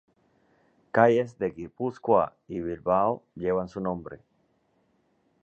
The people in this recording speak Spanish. Calles de Guipúzcoa y Bilbao llevan su nombre.